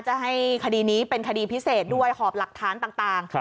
จะให้คดีนี้เป็นคดีพิเศษด้วยหอบหลักฐานต่าง